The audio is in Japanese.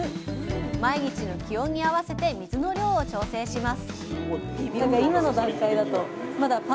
毎日の気温に合わせて水の量を調整します